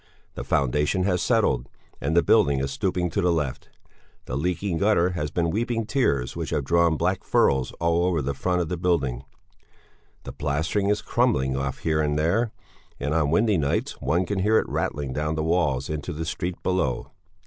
The foundation has settled, and the building is stooping to the left. The leaking gutter has been weeping tears which have drawn black furrows all over the front of the building; the plastering is crumbling off here and there, and on windy nights one can hear it rattling down the walls into the street below.